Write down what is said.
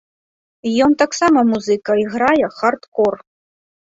Ён таксама музыка і грае хардкор.